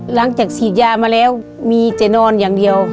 หลังจากฉีดยามาแล้วมีแต่นอนอย่างเดียว